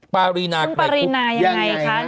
ปารีนายังไงครับ